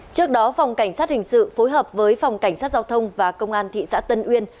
trước đó phòng cảnh sát hình sự phối hợp với phòng cảnh sát giao thông và công an thị xã tân uyên